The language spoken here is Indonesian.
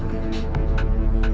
dia harus tahu semua ini